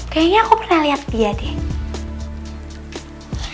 kayaknya aku pernah lihat dia deh